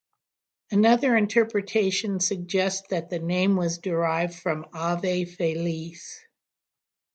Another interpretation suggests that the name was derived from "ave feliz".